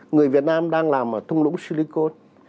người việt nam đang làm ở thung lũng silicon